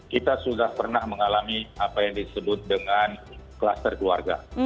kita sudah pernah mengalami apa yang disebut dengan kluster keluarga